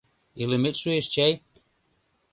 Илымет шуэш чай?..